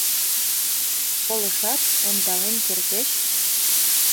— Колышат ондален кертеш?